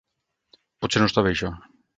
Potser no està bé, això.